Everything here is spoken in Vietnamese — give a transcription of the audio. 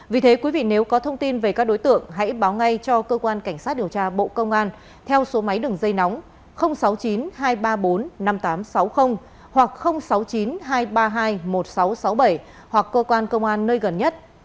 vì thế quý vị nếu có thông tin về các đối tượng hãy báo ngay cho cơ quan cảnh sát điều tra bộ công an theo số máy đường dây nóng sáu mươi chín hai trăm ba mươi bốn năm nghìn tám trăm sáu mươi hoặc sáu mươi chín hai trăm ba mươi hai một nghìn sáu trăm sáu mươi bảy hoặc cơ quan công an nơi gần nhất